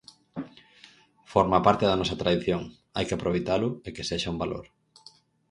Forma parte da nosa tradición, hai que aproveitalo e que sexa un valor.